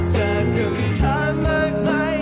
แค่เธอเข้าอีทายกลางใด